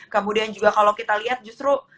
kemudian juga kalau kita lihat justru